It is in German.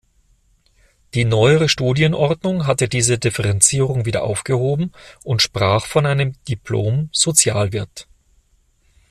Die neuere Studienordnung hatte diese Differenzierung wieder aufgehoben und sprach von einem Diplom–Sozialwirt.